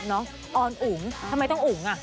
น้องออนอุ๋งทำไมต้องอุ๋งอ่ะ